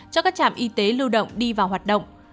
cho các trạm y tế lưu động đi vào hoạt động